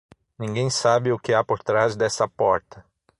Ninguém sabe o que há por trás dessa porta.